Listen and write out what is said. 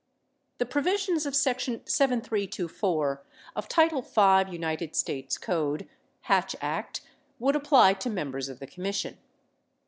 The provisions of section 7324 of title 5, United States Code (Hatch Act) would apply to members of the Commission.